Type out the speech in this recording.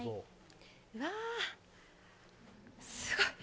うわあ、すごい。